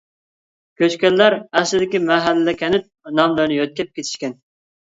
كۆچكەنلەر ئەسلىدىكى مەھەللە-كەنت ناملىرىنى يۆتكەپ كېتىشكەن.